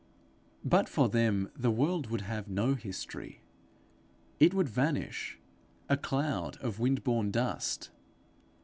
But for them the world would have no history; it would vanish, a cloud of windborne dust.